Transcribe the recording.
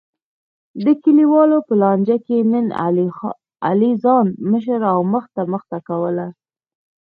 د کلیوالو په لانجه کې نن علی ځان مشر او مخته مخته کولو.